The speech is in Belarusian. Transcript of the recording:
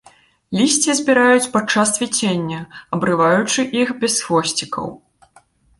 Лісце збіраюць падчас цвіцення, абрываючы іх без хвосцікаў.